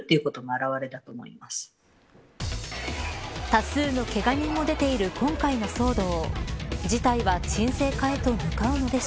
多数のけが人も出ている今回の騒動。